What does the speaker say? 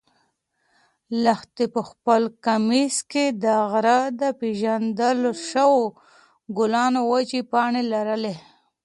لښتې په خپل کمیس کې د غره د پېژندل شوو ګلانو وچې پاڼې لرلې.